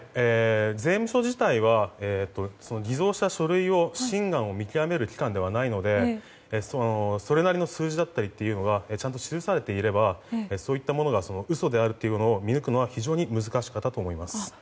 税務署自体は偽造した書類の真贋を見極める機関ではないのでそれなりの数字がちゃんと記されていればそういったものが嘘であるということを見抜くのは難しかったと思います。